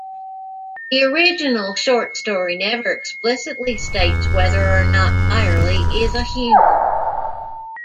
The original short story never explicitly states whether or not Byerley is a human.